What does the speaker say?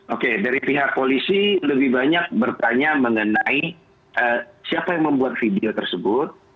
oke dari pihak polisi lebih banyak bertanya mengenai siapa yang membuat video tersebut